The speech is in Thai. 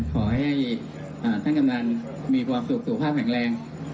ขอให้ท่านกำนันมีความสุขสุขภาพแข็งแรง